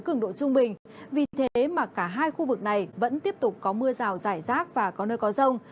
cứng độ trung bình vì thế mà cả hai khu vực này vẫn tiếp tục có mưa rào rải rác và có nơi có rông